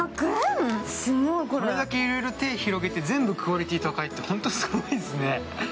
これだけいろいろ手広げて、クオリティー高いってホントすごいっすね。